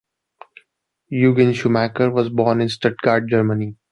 Eugen Schuhmacher was born in Stuttgart, Germany.